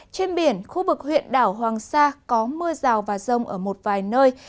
trên biển khu vực huyện đảo hoàng sa có mưa rào và rông ở một vài nơi